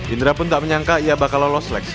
indra pun tak menyangka ia bakal lolos seleksi